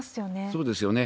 そうですよね。